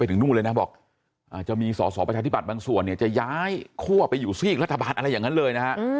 ไปจุงนู้นบอกจะมีส่อประชาธิบัติบางส่วนจะย้ายครัวไปอยู่ที่รัฐบาลอะไรอย่างนั้นเลยนะฮะ